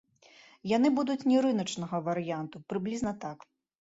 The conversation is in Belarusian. Яны будуць не рыначнага варыянту, прыблізна так.